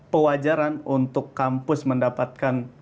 pewajaran untuk kampus mendapatkan